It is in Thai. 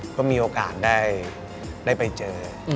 ก็มีโอกาสได้ไปเจอ